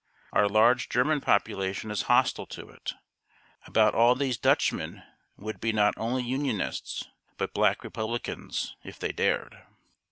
Our large German population is hostile to it. About all these Dutchmen would be not only Unionists, but Black Republicans, if they dared."